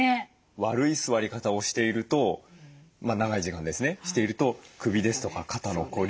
悪い座り方をしていると長い時間ですねしていると首ですとか肩の凝り